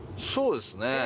そうですね。